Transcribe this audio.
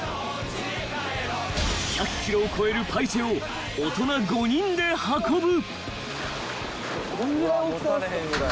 ［１００ｋｇを超えるパイチェを大人５人で運ぶ］